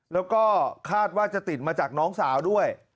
แล้วก็คาดว่าจะติดมาจากน้องสาวด้วย